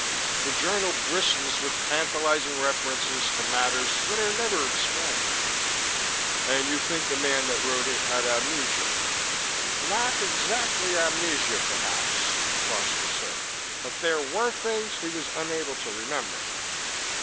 The journal bristles with tantalizing references to matters that are never explained." "And you think the man that wrote it had amnesia?" "Not exactly amnesia, perhaps," Foster said. "But there were things he was unable to remember."